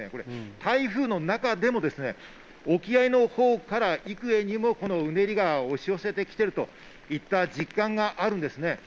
台風の中でも沖合のほうからいくえにも、うねりが押し寄せてきているといった実感があるんですね。